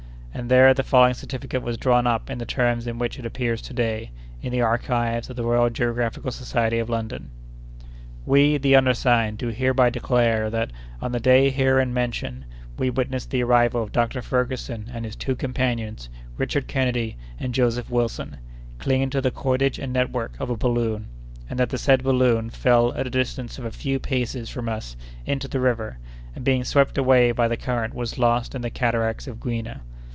And there the following certificate was drawn up in the terms in which it appears to day, in the archives of the Royal Geographical Society of London: "We, the undersigned, do hereby declare that, on the day herein mentioned, we witnessed the arrival of Dr. Ferguson and his two companions, Richard Kennedy and Joseph Wilson, clinging to the cordage and network of a balloon, and that the said balloon fell at a distance of a few paces from us into the river, and being swept away by the current was lost in the cataracts of Gouina.